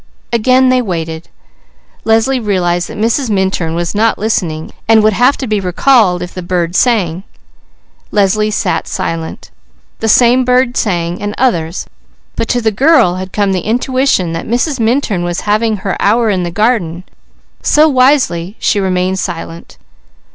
Again they waited. Leslie realized that Mrs. Minturn was not listening, and would have to be recalled if the bird sang. Leslie sat silent. The same bird sang, and others, but to the girl had come the intuition that Mrs. Minturn was having her hour in the garden, so wisely she remained silent.